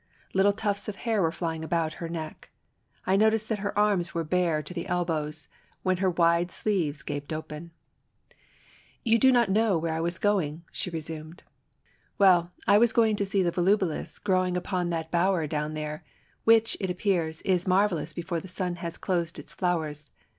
Little tufts of hair were flying about her neck. I noticed that her arms were bare to the elbows, when her wide sleeves gaped open. 52 IN THE VOLUBILIS BOWER. ''You don't know where I was going I" she resumed. "Well, I was going to see the volubilis growing upon that bower down there, which, it appears, is marvellous before the sun has closed its flowers.